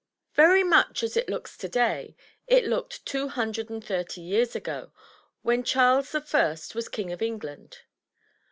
Very much as it looks today, it looked two hundred and thirty years ago, when Charles the First was king of England.